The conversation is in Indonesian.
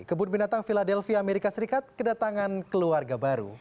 kebun binatang philadelphia amerika serikat kedatangan keluarga baru